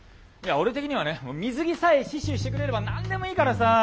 いや俺的にはね水着さえ死守してくれれば何でもいいからさ。